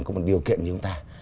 có một điều kiện như chúng ta